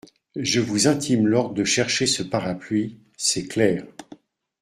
Je vous intime l’ordre de chercher ce parapluie… c’est clair !